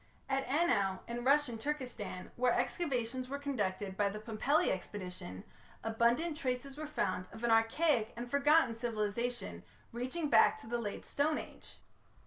At Anau in Russian Turkestan, where excavations were conducted by the Pumpelly expedition, abundant traces were found of an archaic and forgotten civilization reaching back to the Late Stone Age.